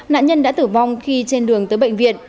nạn nhân đã tử vong khi trên đường tới bệnh viện